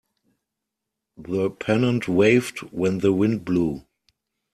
The pennant waved when the wind blew.